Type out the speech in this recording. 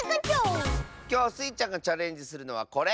きょうスイちゃんがチャレンジするのはこれ！